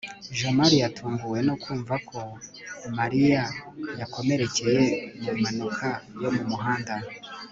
jamali yatunguwe no kumva ko mariya yakomerekeye mu mpanuka yo mu muhanda